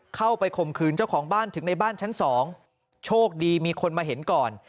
ข่มขืนเจ้าของบ้านถึงในบ้านชั้นสองโชคดีมีคนมาเห็นก่อน